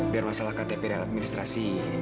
biar masalah ktp dan administrasi